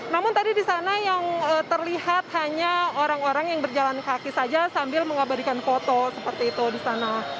namun tadi di sana yang terlihat hanya orang orang yang berjalan kaki saja sambil mengabadikan foto seperti itu di sana